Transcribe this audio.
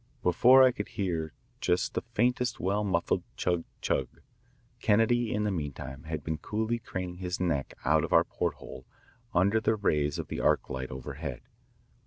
Below I could hear just the faintest well muffled chug chug. Kennedy in the meantime had been coolly craning his neck out of our porthole under the rays of the arc light overhead.